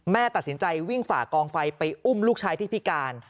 ตัดสินใจวิ่งฝ่ากองไฟไปอุ้มลูกชายที่พิการ